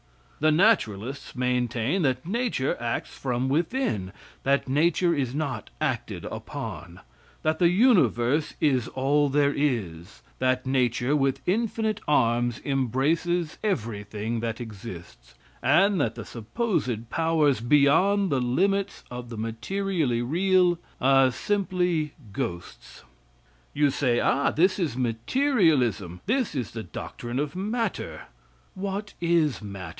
The naturalists maintain that nature acts from within; that nature is not acted upon; that the universe is all there is; that nature, with infinite arms, embraces everything that exists, and that the supposed powers beyond the limits of the materially real are simply ghosts. You say, ah! this is materialism! this is the doctrine of matter! What is matter?